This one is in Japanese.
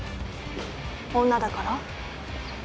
女だから？